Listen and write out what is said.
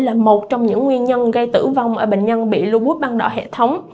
là một trong những nguyên nhân gây tử vong ở bệnh nhân bị lưu bút bắt đỏ hệ thống